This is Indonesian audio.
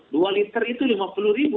dua liter itu rp lima puluh